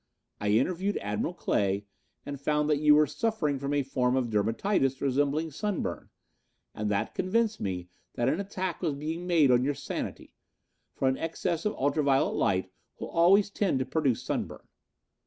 I interviewed Admiral Clay and found that you were suffering from a form of dermititis resembling sunburn, and that convinced me that an attack was being made on your sanity, for an excess of ultra violet light will always tend to produce sunburn.